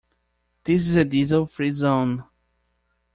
This is a diesel free zone.